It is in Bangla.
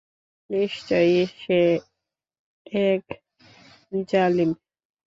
নিশ্চয়ই সে এক জালিম।